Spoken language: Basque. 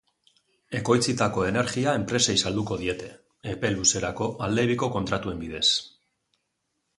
Ekoitzitako energia enpresei salduko diete, epe luzerako aldebiko kontratuen bidez.